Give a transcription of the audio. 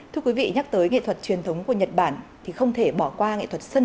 thưa quý vị nhắc tới nghệ thuật truyền thống của nhật bản thì không thể bỏ qua nghệ thuật sân khấu